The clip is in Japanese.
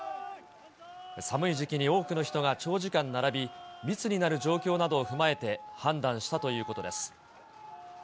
寒い時期に多くの人が長時間並び、密になる状況などを踏まえて、判断したということです。